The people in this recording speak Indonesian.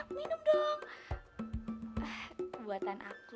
minum dong buatan aku